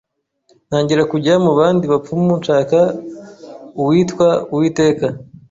ntangira kujya mu bandi bapfumu nshaka uwitwa uwiteka